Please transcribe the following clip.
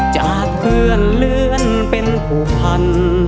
จากเพื่อนเลื่อนเป็นผู้พัน